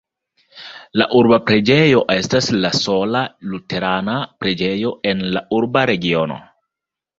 La urba preĝejo estas la sola luterana preĝejo en la urba regiono.